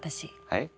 はい？